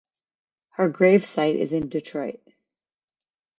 Her gravesite is in Detroit.